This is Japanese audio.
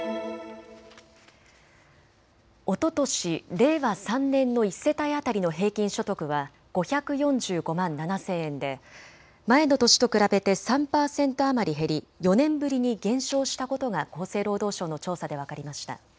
おととし令和３年の１世帯当たりの平均所得は５４５万７０００円で前の年と比べて３％余り減り４年ぶりに減少したことが厚生労働省の調査で分かりました。